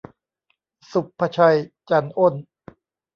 ศุภชัย จันอ้น